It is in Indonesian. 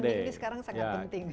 ini sekarang sangat penting